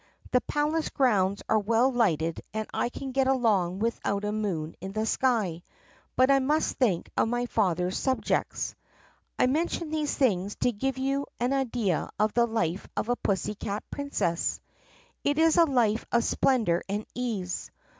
The palace grounds are well lighted and I can get along without a moon in the sky, but I must think of my father's subjects. "I mention these things to give you an idea of the life of a pussycat princess. It is a life of splendor and ease.